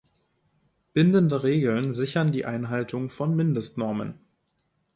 Bindende Regeln sichern die Einhaltung von Mindestnormen.